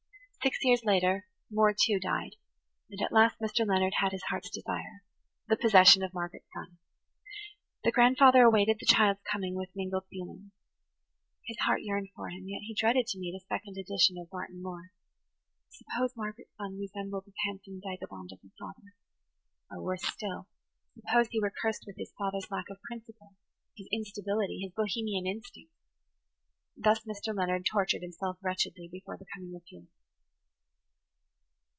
Six years later Moore, too, died, and at last Mr. Leonard had his heart's desire–the possession of Margaret's son. The grandfather awaited the child's coming with mingled feelings. His heart yearned for him, yet he dreaded to meet a [Page 94] second edition of Martin Moore. Suppose Margaret's son resembled his handsome vagabond of a father! Or, worse still, suppose he were cursed with his father's lack of principle, his instability, his Bohemian instincts. Thus Mr. Leonard tortured himself wretchedly before the coming of Felix.